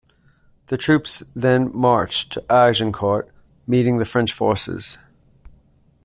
The troops then march to Agincourt, meeting the French forces.